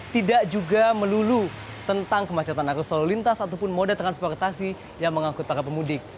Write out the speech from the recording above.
tidak juga melulu tentang kemacetan arus lalu lintas ataupun moda transportasi yang mengangkut para pemudik